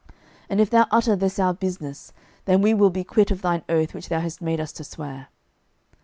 06:002:020 And if thou utter this our business, then we will be quit of thine oath which thou hast made us to swear.